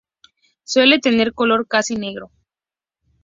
Suele tener color casi negro.